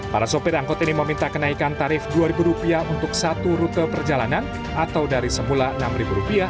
para sopir angkot ini meminta kenaikan tarif rp dua untuk satu rute perjalanan atau dari semula rp enam